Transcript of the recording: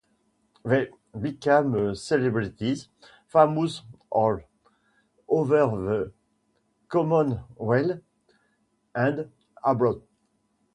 They became celebrities, famous all over the Commonwealth and abroad.